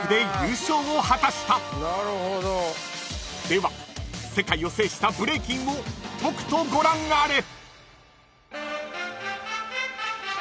［では世界を制したブレイキンをとくとご覧あれ！］